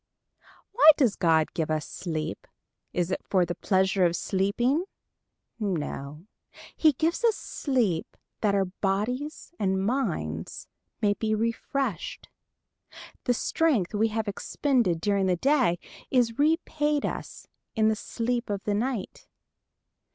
Why does God give us sleep? Is it for the pleasure of sleeping? No. He gives us sleep that our bodies and minds may be refreshed. The strength we have expended during the day is repaid us in the sleep of the night.